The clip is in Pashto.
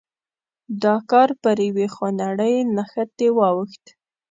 دا کار پر یوې خونړۍ نښتې واوښت.